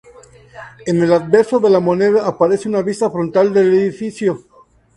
En el anverso de la moneda aparece una vista frontal del edificio.